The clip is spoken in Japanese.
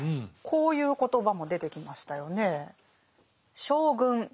こういう言葉も出てきましたよね。